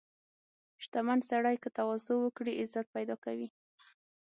• شتمن سړی که تواضع وکړي، عزت پیدا کوي.